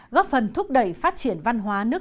góp phần thúc đẩy phát triển văn hóa nước